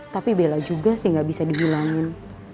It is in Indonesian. tapi bella juga gak bisa dibilangin